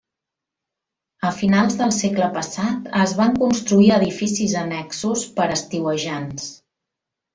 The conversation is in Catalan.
A finals del segle passat es van construir edificis annexos per a estiuejants.